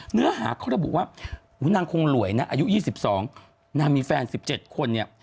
เนื้อหาเขาระบุว่านางคงหลวยนะอายุ๒๒นางมีแฟน๑๗คนเนี่ย